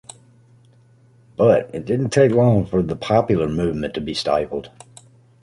But it didn't take long for the popular movement to be stifled.